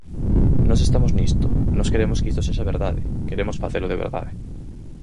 Nós estamos nisto, nós queremos que isto sexa verdade, queremos facelo de verdade.